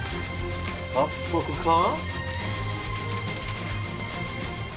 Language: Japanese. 早速か。